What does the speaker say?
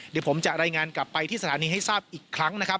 เดี๋ยวผมจะรายงานกลับไปที่สถานีให้ทราบอีกครั้งนะครับ